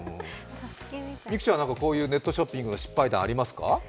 美空ちゃん、ネットショッピングの失敗ありますか？